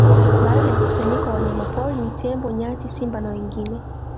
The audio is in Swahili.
Baadhi ya mkusanyiko wa wanyama pori ni tembo nyati simba na wengine